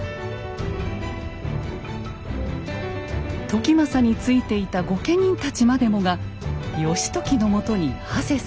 時政についていた御家人たちまでもが義時のもとにはせ参じます。